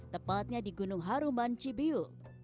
tepatnya di gunung haruman cibiu